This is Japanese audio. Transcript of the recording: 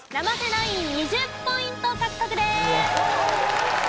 ナイン２０ポイント獲得です！